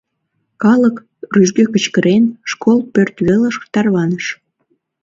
Калык, рӱжге кычкырен, школ пӧрт велыш тарваныш.